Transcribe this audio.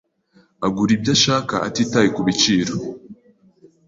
Agura ibyo ashaka atitaye kubiciro.